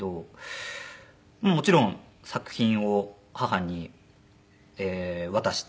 もちろん作品を母に渡して。